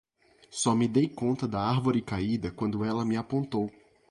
Só me dei conta da árvore caída quando ela me apontou.